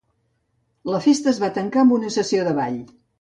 La festa es va tancar amb una sessió de ball.